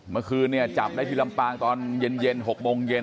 เมื่อคืนเนี่ยจับได้ที่ลำปางตอนเย็น๖โมงเย็น